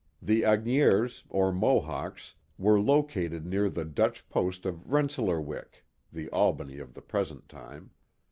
The Agniers, or Mohawks, were located near the Dutch post of Rensselaerwyck (the Albany of the present time).